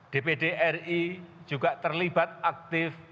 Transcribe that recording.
dpd ri juga terlibat aktif